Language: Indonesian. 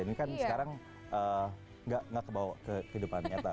ini kan sekarang nggak kebawa ke kehidupan nyata